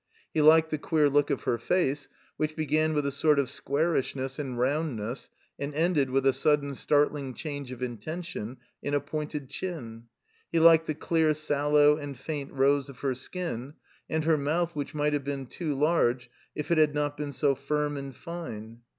He Uked the queer look of her face, which began with a sort of squarishness in roundness and ended, with a sudden startling change of intention, in a pointed chin. He Uked the dear sallow and faint rose of her skin, and her mouth which might have been too large if it had not been so firm and fine.